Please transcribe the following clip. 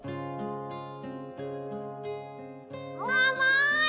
あまい！